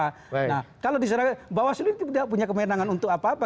nah kalau di sejarah bawaslu itu tidak punya kemenangan untuk apa apa